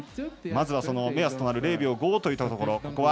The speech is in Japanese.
まずは、目安となる０秒５といったところ。